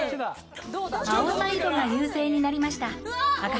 青サイドが優勢になりました。